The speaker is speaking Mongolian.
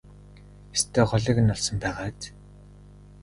Ёстой голыг нь олсон байгаа биз?